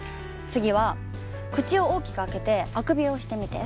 次は口を大きく開けてあくびをしてみて。